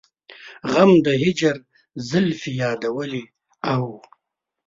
غم د هجر زلفې يادولې او